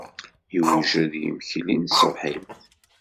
Yewjed yimekli n tṣebḥit.